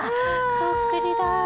そっくりだ。